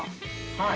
はい。